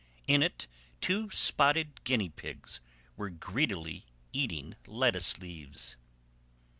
In it two spotted guinea pigs were greedily eating lettuce leaves.